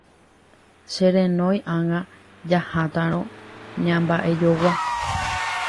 Cherenói ág̃a jahátarõ ñamba'ejogua.